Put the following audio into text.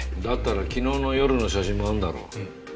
だったら昨日の夜の写真もあるだろ？